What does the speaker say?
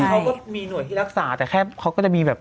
เขาก็มีหน่วยที่รักษาแต่แค่เขาก็จะมีแบบ